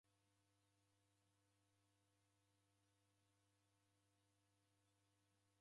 Maghuw'a ghaw'uduka mbuw'enyi.